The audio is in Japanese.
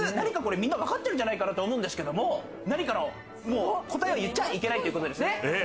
皆わかってるんじゃないかなと思うんですけど、答えを言っちゃいけないということですね。